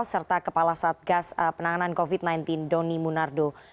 serta kepala satgas penanganan covid sembilan belas doni munardo